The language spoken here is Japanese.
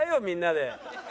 みんなで。